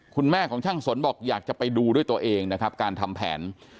คุณแม่ของช่างสนบอกอยากจะไปดูด้วยตัวเองนะครับการทำแผน